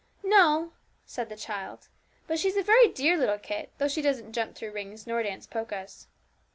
'No,' said the child; 'but she's a very dear little kit, though she doesn't jump through rings nor dance polkas.'